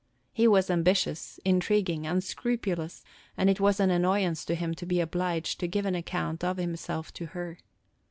He was ambitious, intriguing, unscrupulous, and it was an annoyance to him to be obliged to give an account of himself to her.